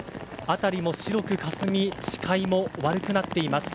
辺りも白くかすみ視界も悪くなっています。